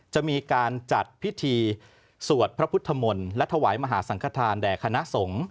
จะมีการจัดพิธีสวดพระพุทธมนตร์และถวายมหาสังขทานแด่คณะสงฆ์